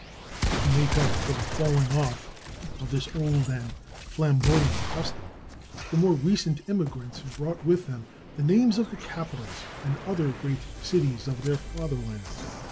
To make up for the falling off of this old and flamboyant custom, the more recent immigrants have brought with them the names of the capitals and other great cities of their fatherlands.